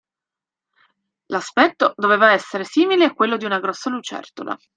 L'aspetto doveva essere simile a quello di una grossa lucertola.